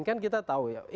kan kita tahu ya